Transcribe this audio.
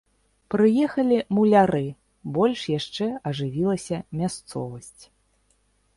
Прыехалі муляры, больш яшчэ ажывілася мясцовасць.